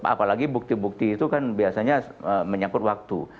apalagi bukti bukti itu kan biasanya menyangkut waktu